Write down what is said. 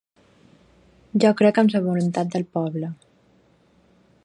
Jo crec amb la voluntat del poble.